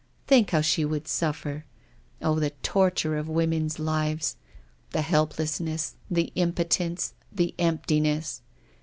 Think how she would "suffer! Oh, the torture of women's lives — the helplessness, the impo tence, the emptiness